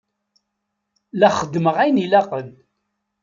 La xeddmeɣ ayen ilaqen.